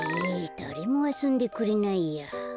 だれもあそんでくれないや。